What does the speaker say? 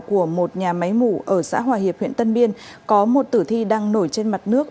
của một nhà máy mủ ở xã hòa hiệp huyện tân biên có một tử thi đang nổi trên mặt nước